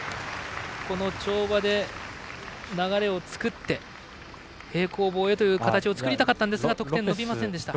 この跳馬で流れを作って平行棒へという形を作りたかったですが得点伸びませんでした。